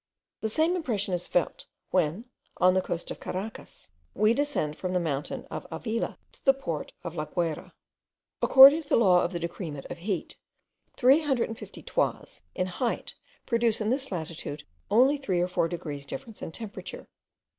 The same impression is felt, when, on the coast of Caracas, we descend from the mountain of Avila to the port of La Guayra. According to the law of the decrement of heat, three hundred and fifty toises in height produce in this latitude only three or four degrees difference in temperature.